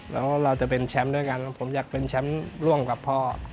แล้วเราจะเป็นแชมป์ด้วยกันผมอยากเป็นแชมป์ร่วมกับพ่อ